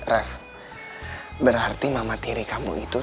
ref berarti mama tiri kamu itu